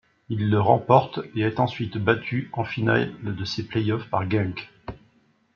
Il le remporte, et est ensuite battu en finale de ces play-offs par Genk.